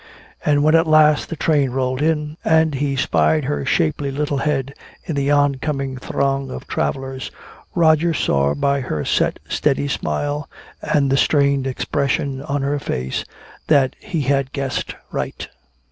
And when at last the train rolled in, and he spied her shapely little head in the on coming throng of travellers, Roger saw by her set steady smile and the strained expression on her face that he had guessed right.